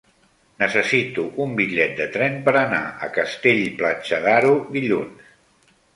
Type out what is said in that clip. Necessito un bitllet de tren per anar a Castell-Platja d'Aro dilluns.